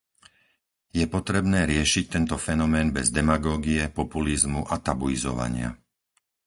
Je potrebné riešiť tento fenomén bez demagógie, populizmu a tabuizovania.